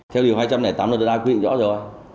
theo điều hai trăm linh tám nó đã đa quy định rõ rồi